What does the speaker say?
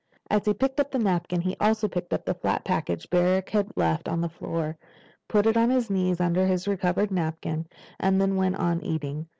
As he picked up the napkin he also picked up the flat package Barrack had left on the floor, put it on his knees under his recovered napkin, and then went on eating.